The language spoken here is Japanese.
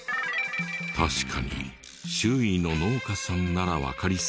確かに周囲の農家さんならわかりそうだが。